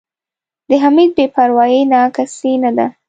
د حمید بې پروایي نا کسۍ نه ده.